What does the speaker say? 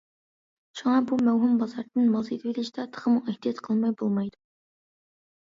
شۇڭا بۇ مەۋھۇم بازاردىن مال سېتىۋېلىشتا تېخىمۇ ئېھتىيات قىلماي بولمايدۇ.